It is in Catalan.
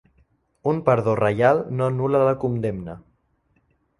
Un perdó reial no anul·la la condemna.